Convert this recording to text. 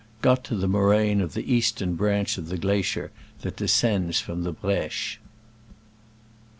got to the mo raine of the eastern branch of the glacier that descends from the Breche.